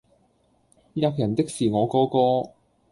喫人的是我哥哥！